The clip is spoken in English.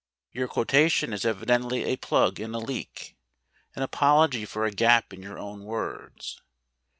Your quotation is evidently a plug in a leak, an apology for a gap in your own words.